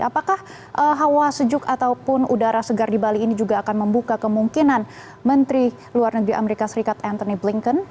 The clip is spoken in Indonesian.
apakah hawa sejuk ataupun udara segar di bali ini juga akan membuka kemungkinan menteri luar negeri amerika serikat anthony blinkton